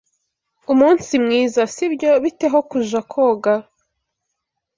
Umunsi mwiza, sibyo? Bite ho kuja koga?